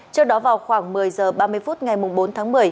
trước đó vào khoảng một mươi h ba mươi phút ngày bốn tháng một mươi